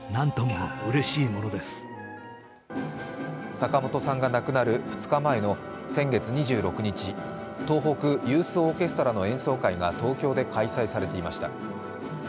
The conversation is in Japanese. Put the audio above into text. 坂本さんが亡くなる２日前の先月２６日東北ユースオーケストラの演奏会が東京で開催されていました。